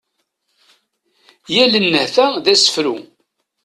Yal nnehta d asefru.